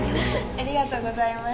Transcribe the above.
ありがとうございます。